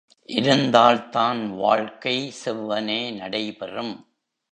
இருந்தால்தான், வாழ்க்கை செவ்வனே நடைபெறும்.